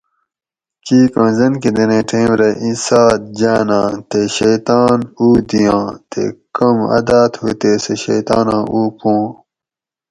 کیک اوں زنکدنیں ٹیم رہ ای سات جاناۤ تے شیطان اُو دیاں تے کم عادت ہُو تے سہ شیطاناں اُو پوآں